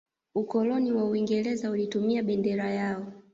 ukoloni wa uingereza ulitumia bendera yao